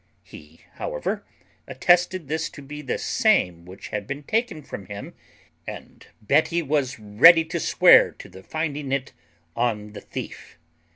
He however attested this to be the same which had been taken from him, and Betty was ready to swear to the finding it on the thief.